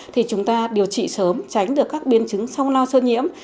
thì chúng ta điều trị sớm tránh được các biên chứng sau lao sơn nhiễm